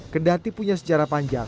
kendati punya sejarah panjang